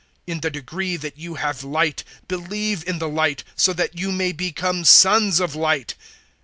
012:036 In the degree that you have light, believe in the Light, so that you may become sons of Light."